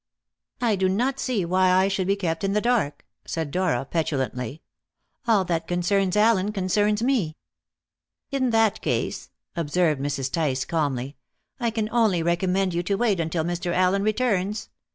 "I do not see why I should be kept in the dark," said Dora petulantly. "All that concerns Allen concerns me." "In that case," observed Mrs. Tice calmly, "I can only recommend you to wait until Mr. Allen returns.